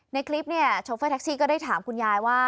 ในคลิปเนี่ยโชเฟอร์แท็กซี่ก็ได้ถามคุณยายว่า